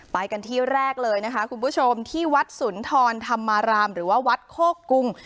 ไปกันที่แรกเลยนะคะคุณผู้ชมที่วัดสุนทรธรรมารามหรือว่าวัดโคกรุง